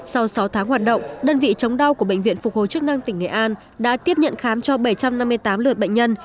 sau sáu tháng hoạt động đơn vị chống đau của bệnh viện phục hồi chức năng tỉnh nghệ an đã tiếp nhận khám cho bảy trăm năm mươi tám lượt bệnh nhân